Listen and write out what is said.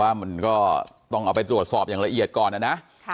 ว่ามันก็ต้องเอาไปตรวจสอบอย่างละเอียดก่อนนะ